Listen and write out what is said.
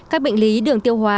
các bệnh lý đường tiêu hóa